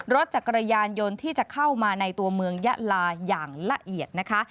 รถจักรยานยนต์ที่จะเข้ามาในตัวเมืองยะลาอย่างละเอียดนะคะ